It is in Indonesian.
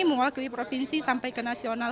mewakili provinsi sampai ke nasional